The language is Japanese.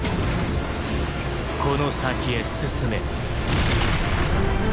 この先へ進め。